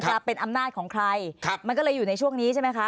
จะเป็นอำนาจของใครครับมันก็เลยอยู่ในช่วงนี้ใช่ไหมคะ